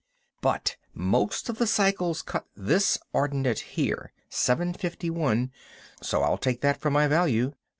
"But most of the cycles cut this ordinate here—seven fifty one—so I'll take that for my value.